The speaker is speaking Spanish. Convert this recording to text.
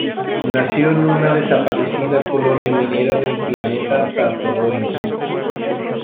Nació en una desaparecida colonia minera del planeta Tatooine.